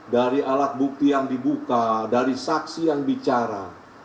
dari alat bukti yang dibuka dari saksi yang bicara